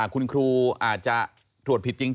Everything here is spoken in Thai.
คุณครูอาจจะตรวจผิดจริง